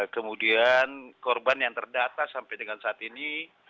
kemudian korban yang terdata sampai dengan saat ini